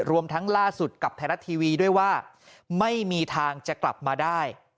รวมทั้งล่าสุดกับไทยรัฐทีวีด้วยว่าไม่มีทางจะกลับมาได้